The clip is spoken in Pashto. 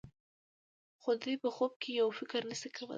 خو دوی په خوب کې هم یو فکر نشي کولای.